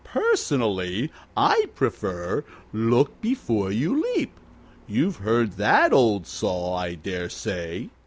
Personally I prefer, Look before you leap. You've heard that old saw, I dare say."